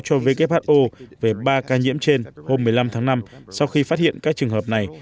cho who về ba ca nhiễm trên hôm một mươi năm tháng năm sau khi phát hiện các trường hợp này